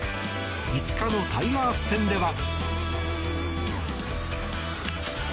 ５日のタイガース戦では。